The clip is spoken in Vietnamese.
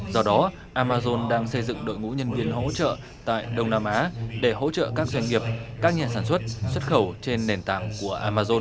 do đó amazon đang xây dựng đội ngũ nhân viên hỗ trợ tại đông nam á để hỗ trợ các doanh nghiệp các nhà sản xuất xuất khẩu trên nền tảng của amazon